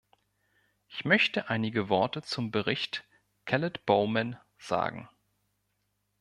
Ich möchte einige Worte zum Bericht Kellett-Bowman sagen.